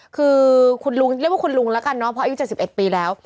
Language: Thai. คือคุณลุงเรียกว่าคุณลุงแล้วกันเนาะเพราะอายุ๗๑ปีแล้ว